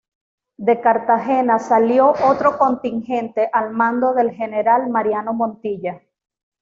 De Cartagena salió otro contingente al mando del general Mariano Montilla.